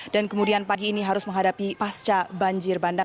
dan kemudian pagi ini harus menghadapi pasca banjir bandang